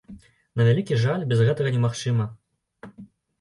На вялікі жаль, без гэтага немагчыма.